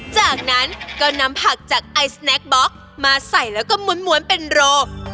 จากนั้นก็นำผักจากไอสแนคบล็อกมาใส่แล้วก็ม้วนเป็นโร